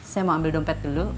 saya mau ambil dompet dulu